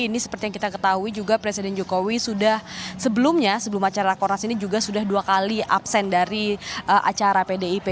ini seperti yang kita ketahui juga presiden jokowi sudah sebelumnya sebelum acara rakornas ini juga sudah dua kali absen dari acara pdip